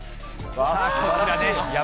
こちらです。